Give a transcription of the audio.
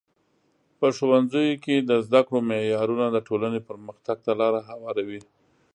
په ښوونځیو کې د زده کړو معیارونه د ټولنې پرمختګ ته لار هواروي.